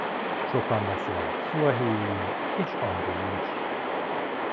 Sokan beszélnek szuahéliül és angolul is.